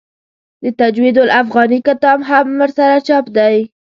د تجوید الافغاني کتاب هم ورسره چاپ دی.